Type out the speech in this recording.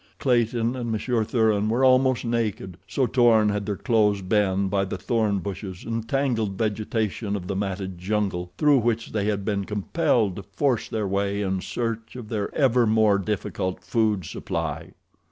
Clayton and Monsieur Thuran were almost naked, so torn had their clothes been by the thorn bushes and tangled vegetation of the matted jungle through which they had been compelled to force their way in search of their ever more difficult food supply.